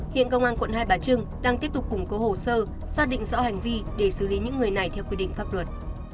hiện công an quận hai bà trưng đang tiếp tục củng cố hồ sơ xác định rõ hành vi để xử lý những người này theo quy định pháp luật